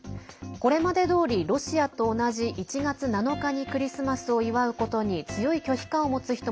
これまでどおりロシアと同じ１月７日にクリスマスを祝うことに強い拒否感を持つ人も